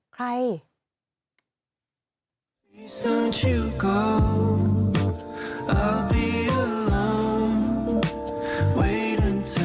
ใคร